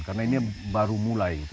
karena ini baru mulai